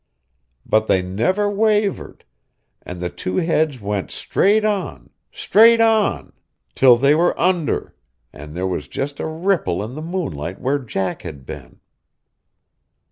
But they never wavered; and the two heads went straight on, straight on, till they were under, and there was just a ripple in the moonlight where Jack had been.